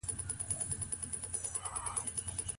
ازاد انسان خرڅول بايد لوی جرم وګڼل سي.